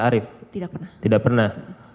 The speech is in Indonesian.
arief tidak pernah tidak pernah